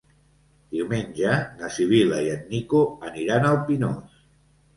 Diumenge na Sibil·la i en Nico aniran al Pinós.